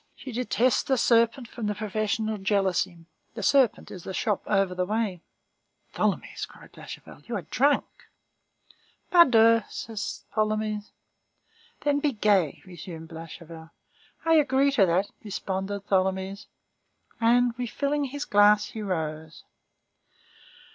She detests the serpent from professional jealousy. The serpent is the shop over the way." "Tholomyès!" cried Blachevelle, "you are drunk!" "Pardieu," said Tholomyès. "Then be gay," resumed Blachevelle. "I agree to that," responded Tholomyès. And, refilling his glass, he rose.